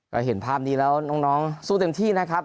ก็เห็นภาพนี้แล้วน้องสู้เต็มที่นะครับ